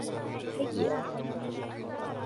هيا